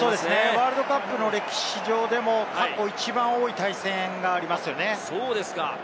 ワールドカップの歴史上でも過去一番多い対戦がありますよね。